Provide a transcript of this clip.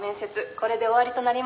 これで終わりとなります。